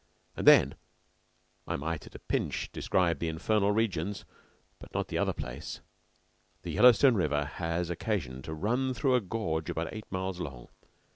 And then I might at a pinch describe the infernal regions, but not the other place. The Yellowstone River has occasion to run through a gorge about eight miles long.